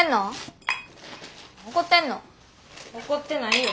怒ってないよ。